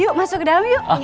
yuk masuk ke dalam yuk